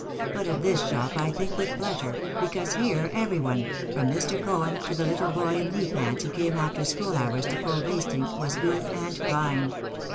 But of this shop I think with pleasure, because here every one, from Mr. Cohen to the little boy in knee pants who came after school hours to pull basting, was good and kind.